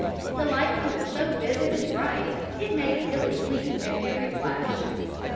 The lightning was so vivid and bright that it made Billy wink at every flash.